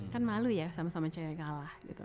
kan malu ya sama sama cewek kalah gitu